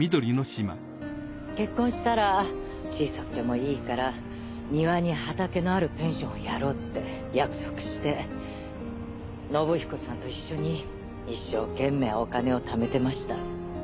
結婚したら小さくてもいいから庭に畑のあるペンションをやろうって約束して信彦さんと一緒に一生懸命お金を貯めてました。